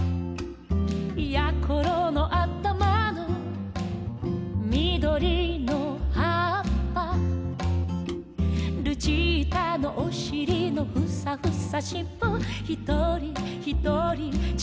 「やころのあたまのみどりのはっぱ」「ルチータのおしりのふさふさしっぽ」「ひとりひとりちがうもの」